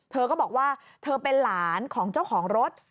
เธอก็บอกว่าเธอเป็นหลานของเจ้าของรถ